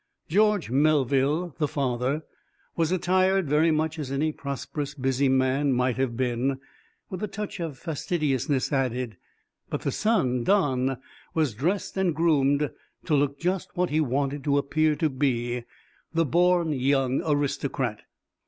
George Melville, the father, was attired very much as any prosperous, busy man might have been, with a touch of fastidiousness added, but the son, Don, was dressed and groomed to look just what he wanted to appear to be, the born young aristocrat.